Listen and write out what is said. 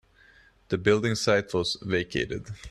The building site was vacated.